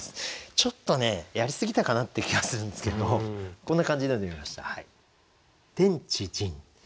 ちょっとねやりすぎたかなっていう気がするんですけれどこんな感じで詠んでみました。